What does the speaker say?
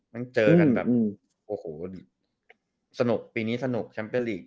ยังเจอกันแบบโอ้โหสนุกปีนี้สนุกแชมเปอร์ลีก